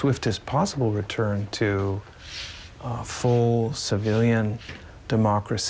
เกิดขึ้นในเมืองที่คุยกับเมืองของคุณ